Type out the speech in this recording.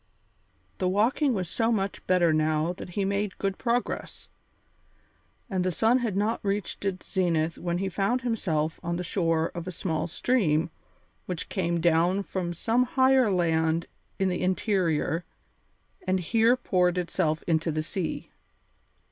The walking was so much better now that he made good progress, and the sun had not reached its zenith when he found himself on the shore of a small stream which came down from some higher land in the interior and here poured itself into the sea.